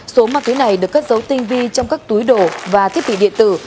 số ma túy này được cất dấu tinh vi trong các túi đồ và thiết bị điện tử